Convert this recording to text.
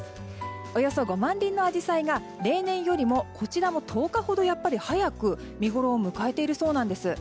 およそ５万輪のアジサイが例年よりもこちらも１０日ほど早く見ごろを迎えているそうです。